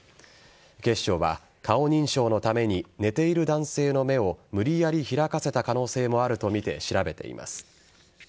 警視庁は、顔認証のために寝ている男性の目を無理やり開かせた可能性もあるとみて調べています。